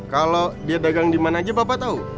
kalau dia dagang dimana aja bapak tau